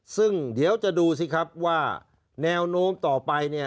ซึ่งเดี๋ยวจะดูสิครับว่าแนวโน้มต่อไปเนี่ย